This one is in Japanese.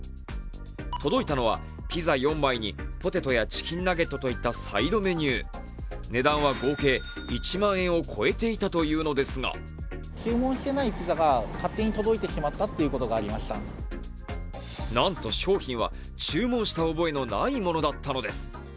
届いたのはピザ４枚にポテトやチキンナゲットといったサイドメニュー、値段は合計１万円を超えていたというのですがなんと商品は注文した覚えのないものだったのです。